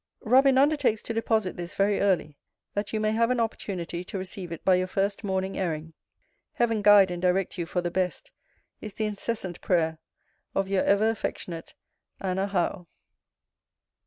Robin undertakes to deposit this very early, that you may have an opportunity to receive it by your first morning airing. Heaven guide and direct you for the best, is the incessant prayer of Your ever affectionate ANNA HOWE.